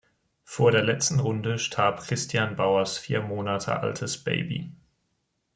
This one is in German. Vor der letzten Runde starb Christian Bauers vier Monate altes Baby.